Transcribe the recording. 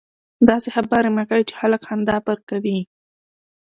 داسي خبري مه کوئ! چي خلک خندا پر کوي.